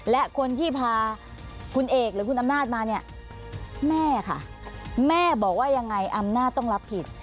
และคนที่พาคุณเอกหรือคุณอำนาจมาเนี่ยแม่ค่ะแม่บอกว่ายังไงอำนาจต้องรับผิด